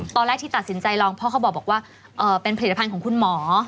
ตอนแรกที่ตัดสินใจลองพ่อเขาบอกว่าเป็นผลิตภัณฑ์ของคุณหมอ